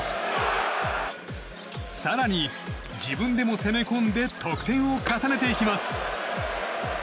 更に、自分でも攻め込んで得点を重ねていきます。